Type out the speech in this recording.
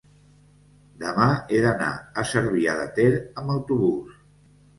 demà he d'anar a Cervià de Ter amb autobús.